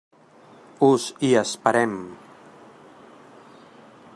Us hi esperem!